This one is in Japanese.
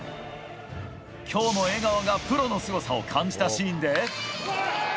今日も江川がプロのすごさを感じたシーンで。